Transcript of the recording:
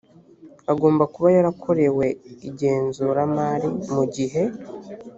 agomba kuba yarakorewe igenzuramari mu gihe